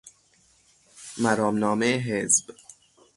مرامنامه حزب